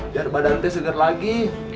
biar badannya segar lagi